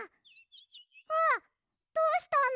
わっどうしたの？